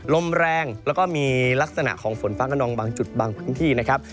ลมแรงแล้วก็มีลักษณะของฝนฟ้ากระนองบางจุดบางพื้นที่นะครับ